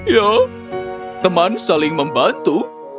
ya teman saling membantu